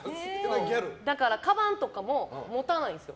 だからカバンとかも持たないんです。